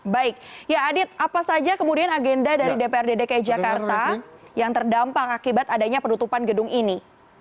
baik ya adit apa saja kemudian agenda dari dprd dki jakarta yang terdampak akibat adanya penutupan gedung ini